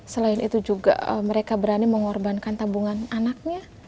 selain itu juga mereka berani mengorbankan tabungan anaknya